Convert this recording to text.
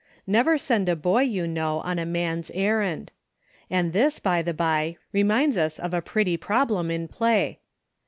Never send a boy, you know, on a man's errand. And this, by the by, re minds us of a pretty problem in play.